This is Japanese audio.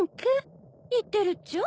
いってるっちゃ。